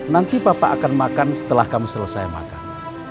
nanti papa akan makan setelah kami selesai makan